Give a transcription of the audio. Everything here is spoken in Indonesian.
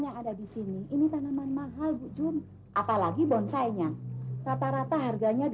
yang ada di sini ini tanaman mahal bujum apalagi bonsainya rata rata harganya dua ratus